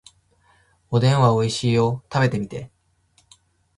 おでんはおいしいよ。食べてみて。